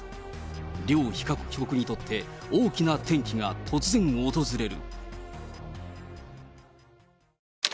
両被告にとって、大きな転機が突然訪れる。